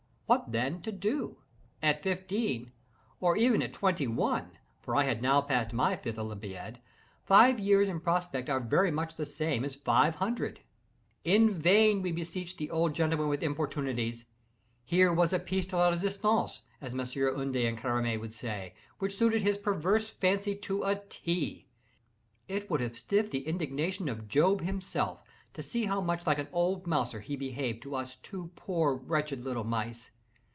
What, then, to do? At fifteen, or even at twenty one (for I had now passed my fifth olympiad) five years in prospect are very much the same as five hundred. In vain we besieged the old gentleman with importunities. Here was a piece de resistance (as Messieurs Ude and Careme would say) which suited his perverse fancy to a T. It would have stiffed the indignation of Job himself, to see how much like an old mouser he behaved to us two poor wretched little mice.